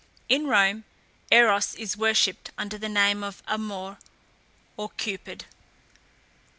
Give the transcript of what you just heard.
In Rome, Eros was worshipped under the name of Amor or Cupid.